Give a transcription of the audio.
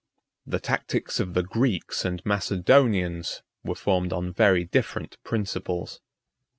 47 The tactics of the Greeks and Macedonians were formed on very different principles.